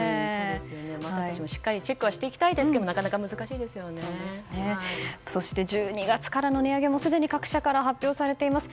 私たちもしっかりチェックしていきたいですが１２月からの値上げもすでに各社から発表されています。